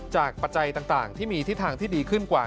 ปัจจัยต่างที่มีทิศทางที่ดีขึ้นกว่า